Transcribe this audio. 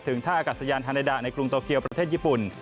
ท่าอากาศยานฮาเดดาในกรุงโตเกียวประเทศญี่ปุ่น